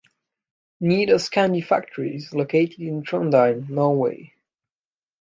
Nidar's candy factory is located in Trondheim, Norway.